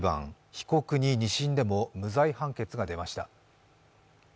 被告に２審でも無罪判決が出ました。